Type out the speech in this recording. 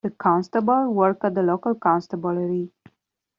The constable worked at the local constabulary.